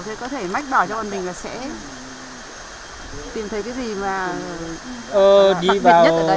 thế có thể mách bảo cho bọn mình là sẽ tìm thấy cái gì mà phát biệt nhất ở đây